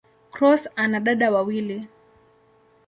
Cross ana dada wawili.